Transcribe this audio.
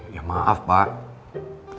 ya maaf pak